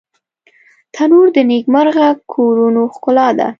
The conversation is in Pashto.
تنور د نیکمرغه کورونو ښکلا ده